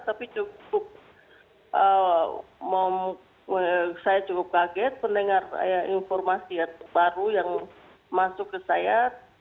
tapi cukup saya cukup kaget mendengar informasi baru yang masuk ke saya